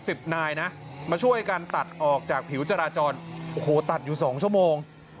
สิบนายนะมาช่วยกันตัดออกจากผิวจราจรโอ้โหตัดอยู่สองชั่วโมง